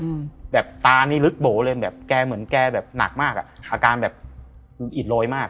อืมแบบตานี่ลึกโบ๋เลยแบบแกเหมือนแกแบบหนักมากอ่ะอาการแบบอิดโรยมาก